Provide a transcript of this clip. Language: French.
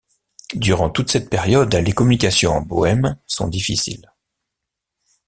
Durant toute cette période, les communications en Bohême sont difficiles.